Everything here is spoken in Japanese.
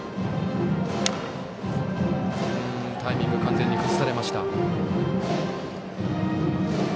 タイミング、完全に崩されました。